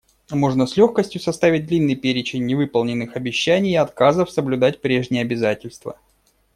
Можно с легкостью составить длинный перечень невыполненных обещаний и отказов соблюдать прежние обязательства.